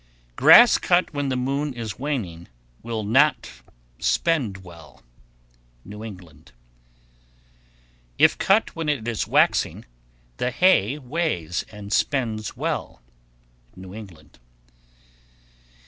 _ 1118. Grass cut when the moon is waning will not "spend well." New England. 1119. If cut when it is waxing, the hay weighs and spends well. _New England.